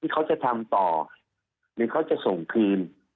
เขาจะทำต่อหรือเขาจะส่งคืน